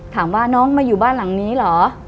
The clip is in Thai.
ถามว่าน้องมาอยู่บ้านหลังนี้เหรอ